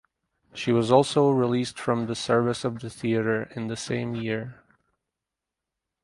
She was also released from the service of the theater in the same year.